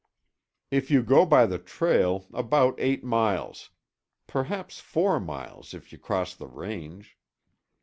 "If you go by the trail, about eight miles. Perhaps four miles, if you cross the range."